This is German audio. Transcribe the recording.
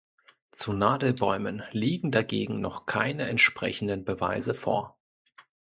Zu Nadelbäumen liegen dagegen noch keine entsprechenden Beweise vor.